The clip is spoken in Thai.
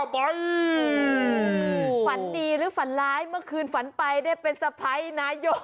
ฝันดีหรือฝันร้ายเมื่อคืนฝันไปได้เป็นสะพ้ายนายก